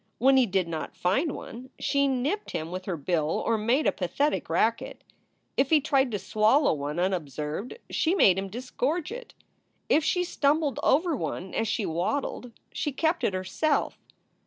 When he did not find one she nipped him with her bill or made a pathetic racket. If he tried to swallow one unobserved she made him disgorge it. If she stumbled over one as she waddled, she kept it herself.